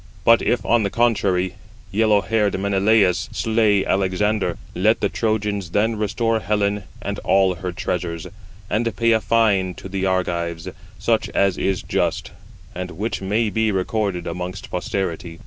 But if, on the contrary, yellow haired Menelaus slay Alexander, let the Trojans then restore Helen and all her treasures, and pay a fine to the Argives such as is just, and which may be [recorded] amongst posterity.